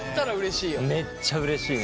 めっちゃうれしいね。